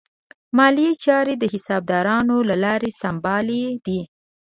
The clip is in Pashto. مالي چارې د حسابدارانو له لارې سمبالې دي.